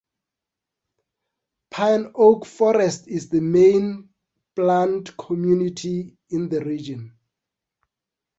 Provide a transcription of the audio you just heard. Pine–oak forest is the main plant community in the region.